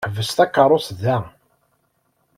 Ḥbes takeṛṛust da!